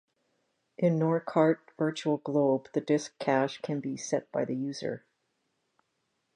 In Norkart Virtual Globe the disk cache can be set by the user.